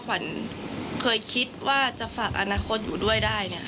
ขวัญคือคิดว่าจะฝากอนาคตอยู่ด้วยได้